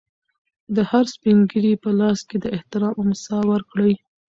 د هر سپین ږیري په لاس کې د احترام امسا ورکړئ.